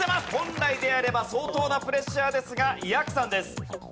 本来であれば相当なプレッシャーですがやくさんです。